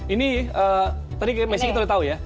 ini tadi messi kita sudah tahu ya